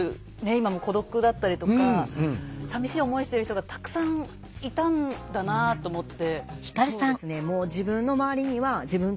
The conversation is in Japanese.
今も孤独だったりとかさみしい思いしてる人がたくさんいたんだなと思って。